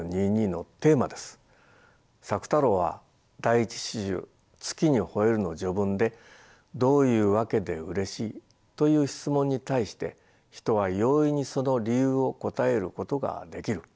朔太郎は第一詩集「月に吠える」の序文で「『どういうわけでうれしい？』という質問に対して人は容易にその理由を答えることができる。